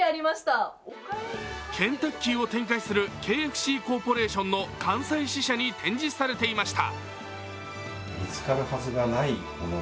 ケンタッキーを展開するＫＦＣコーポレーションの関西支社に展示されていました。